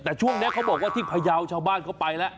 แต่ช่วงนี้เขาบอกว่าที่พยาวชาวบ้านเขาไปแล้ว